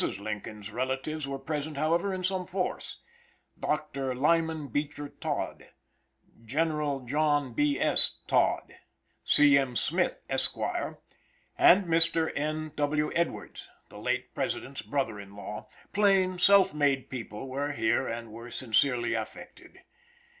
Lincoln's relatives were present, however, in some force. Dr. Lyman Beecher Todd, General John B. S. Todd, C. M. Smith, Esq., and Mr. N. W. Edwards, the late President's brother in law, plain, self made people were here and were sincerely affected.